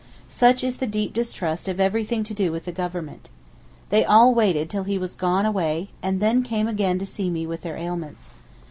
Such is the deep distrust of everything to do with the Government. They all waited till he was gone away, and then came again to me with their ailments.